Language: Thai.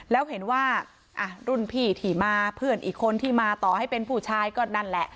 แล้วเห็นว่ารุ่นพี่ที่มาเพื่อนอีกคนที่มาต่อให้เป็นผู้ชายก็นั่นแหละ